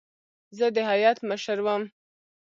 زه د هیات مشر وم.